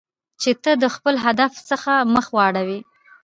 چې ته د خپل هدف څخه مخ واړوی.